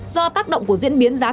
do tác động của diễn biến giá xăng dầu